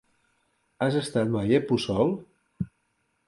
Has estat mai a Puçol?